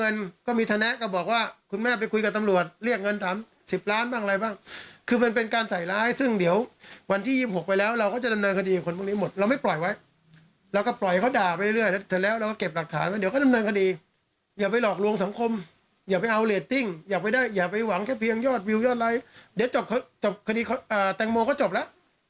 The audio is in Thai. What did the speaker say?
อย่าไปหวังแค่เพียงยอดวิวยอดไรเดี๋ยวคดีแตงโมก็จบแล้ว